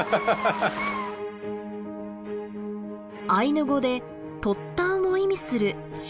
アイヌ語で「突端」を意味する「シリエトク」。